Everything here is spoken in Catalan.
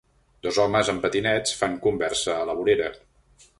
Dos homes amb patinets fan conversa a la vorera